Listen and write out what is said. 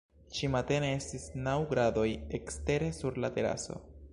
Ĉi-matene estis naŭ gradoj ekstere sur la teraso.